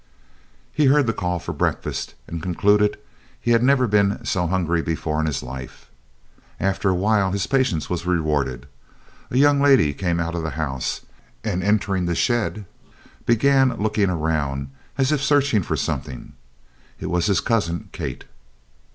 He heard the call for breakfast, and concluded he had never been so hungry before in his life. After a while his patience was rewarded. A young lady came out of the house, and entering the shed, began looking around, as if searching for something. It was his cousin Kate.